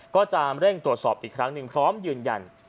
ก็จะเร่งตรวจสอบอีกครั้งหนึ่งพร้อมยืนยัน